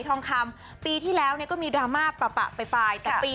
ทองครรมปีที่แล้วเนี้ยก็มีดราม่าปะปะไปไปแต่ปี